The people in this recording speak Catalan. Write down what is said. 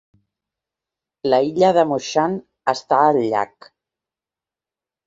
La illa de Mushan està al llac.